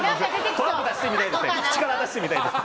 トランプ出してみたいです